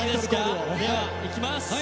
では、行きます！